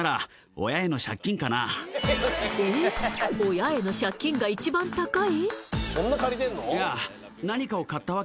親への借金が一番高い？